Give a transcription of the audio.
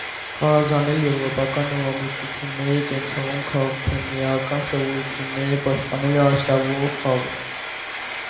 Խարազանել է եվրոպական նորամուծությունները կենցաղում, քաղքենիական սովորությունները, պաշտպանել արհեստավոր խավին։